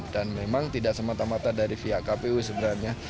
dan memang tidak semata mata dari pihak kpu sebenarnya